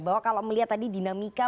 bahwa kalau melihat tadi dinamika